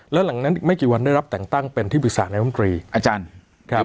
แล้วหลังนั้นอีกไม่กี่วันได้รับแต่งตั้งเป็นที่ปรึกษานายมนตรีอาจารย์ครับ